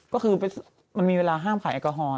ก็คือมันมีเวลาห้ามขายแอลกอฮอล